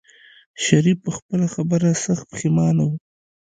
شريف په خپله خبره سخت پښېمانه و.